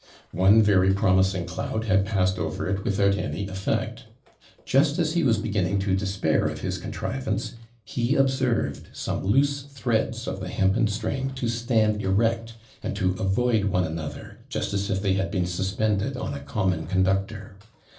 One very promising cloud had passed over it without any effect. Just as he was beginning to despair of his contrivance, he observed some loose threads of the hempen string to stand erect, and to avoid one another, just as if they had been suspended on a common conductor.